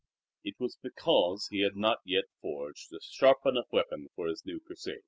It was because he had not yet forged a sharp enough weapon for his new Crusade.